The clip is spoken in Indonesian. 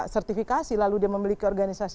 sertifikasi lalu dia memiliki organisasi